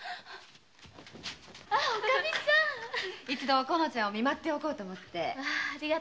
一度おこのちゃんを見舞っておこうと思ってね。